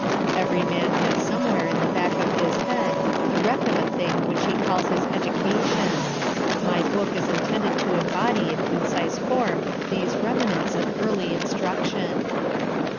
Every man has somewhere in the back of his head the wreck of a thing which he calls his education. My book is intended to embody in concise form these remnants of early instruction.